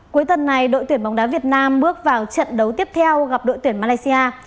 cuối tuần này đội tuyển bóng đá việt nam bước vào trận đấu tiếp theo gặp đội tuyển malaysia